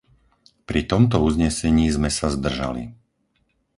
Pri tomto uznesení sme sa zdržali.